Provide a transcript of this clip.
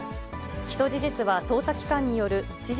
起訴事実は捜査機関による事実